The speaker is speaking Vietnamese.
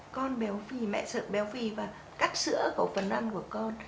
con béo phì mẹ sữa béo phì và cắt sữa khẩu phần ăn của con